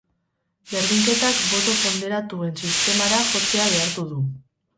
Berdinketak boto ponderatuen sistemara jotzea behartu du.